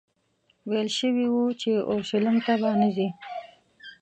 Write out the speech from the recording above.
ویل شوي وو چې اورشلیم ته به نه ځې.